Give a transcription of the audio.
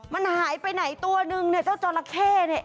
มันหายไปไหนตัวนึงเนี่ยเจ้าจราเข้เนี่ย